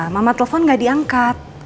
mama telpon nggak diangkat